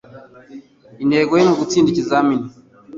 Intego ye ni ugutsinda ikizamini.